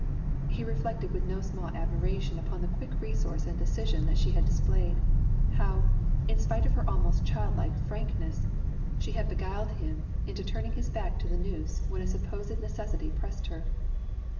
He reflected with no small admiration upon the quick resource and decision that she had displayed; how, in spite of her almost child like frankness, she had beguiled him into turning his back to the noose when a supposed necessity pressed her.